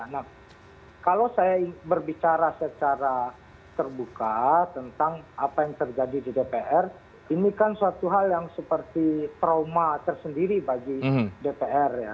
nah kalau saya berbicara secara terbuka tentang apa yang terjadi di dpr ini kan suatu hal yang seperti trauma tersendiri bagi dpr ya